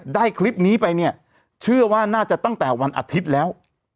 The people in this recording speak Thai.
ได้คลิปนี้ไปเนี่ยเชื่อว่าน่าจะตั้งแต่วันอาทิตย์แล้ว